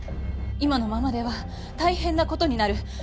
今のままでは大変な事になる。